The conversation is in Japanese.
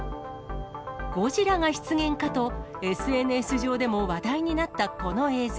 ゴジラが出現かと、ＳＮＳ上でも話題になったこの映像。